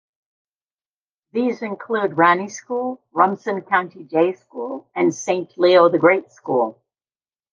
These include Ranney School, Rumson Country Day School and Saint Leo the Great School.